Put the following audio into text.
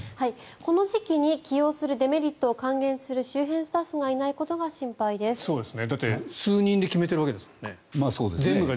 この時期に起用するデメリットを諫言する周辺スタッフがいないことをだって数人で決めてるわけですもんね。